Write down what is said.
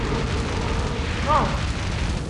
Ɣeṛ!